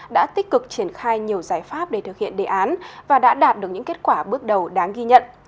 đã tích cực triển khai nhiều giải pháp để thực hiện đề án và đã đạt được những kết quả bước đầu đáng ghi nhận